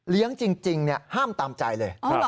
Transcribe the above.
เลี้ยงจริงเนี่ยห้ามตามใจเลย